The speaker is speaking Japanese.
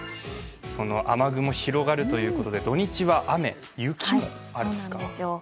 雨雲広がるということで土日は雨、雪もあるんですか？